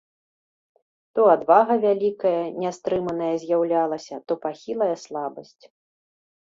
То адвага вялікая, нястрыманая з'яўлялася, то пахілая слабасць.